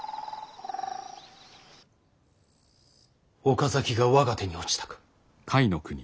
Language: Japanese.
岡崎が我が手に落ちたか。